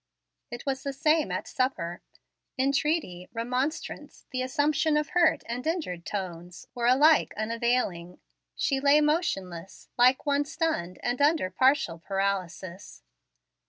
It was the same at supper. Entreaty, remonstrance, the assumption of hurt and injured tones, were alike unavailing. She lay motionless, like one stunned and under partial paralysis.